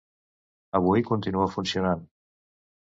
Avui continua funcionant.